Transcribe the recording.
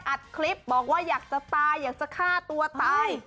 อัดคลิปบอกว่าอยากจะตายอยากจะฆ่าตัวตาย